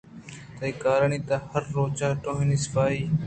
تئی کارانی تہا ہر روچ کوٹیانی صفائی